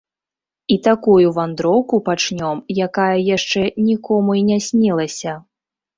І такую вандроўку пачнём, якая яшчэ нікому і не снілася!